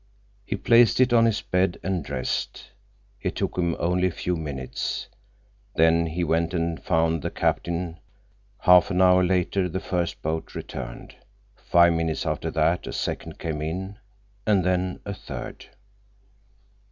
He placed it on his bed and dressed. It took him only a few minutes. Then he went aft and found the captain. Half an hour later the first boat returned. Five minutes after that, a second came in. And then a third.